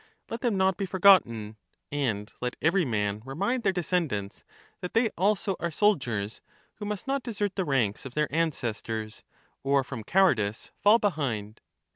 Let them not be forgotten, and let every man remind their descendants that they also are soldiers who must not desert the ranks of their ancestors, or from cowardice fall behind.